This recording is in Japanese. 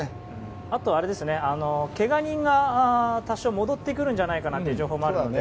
あとはけが人が多少戻ってくるんじゃないかという情報もあるので。